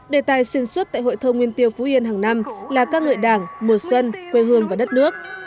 đề tài xuyên suốt tại hội thơ nguyên tiêu phú yên hàng năm là ca ngợi đảng mùa xuân quê hương và đất nước